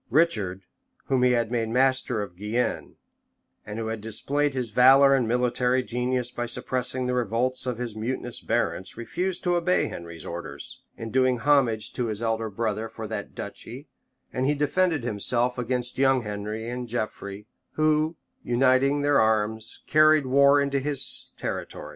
Richard, whom he had made master of Guienne, and who had displayed his valor and military genius by suppressing the revolts of his mutinous barons refused to obey Henry's orders, in doing homage to his elder brother for that duchy; and he defended himself against young Henry and Geoffrey, who, uniting their arms, carried war into his territories.